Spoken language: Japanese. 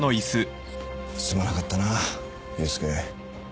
すまなかったな優輔。